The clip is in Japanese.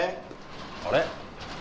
あれ？